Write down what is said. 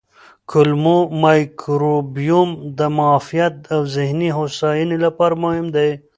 کولمو مایکروبیوم د معافیت او ذهني هوساینې لپاره مهم دی.